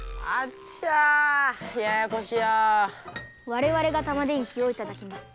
われわれがタマ電Ｑをいただきます。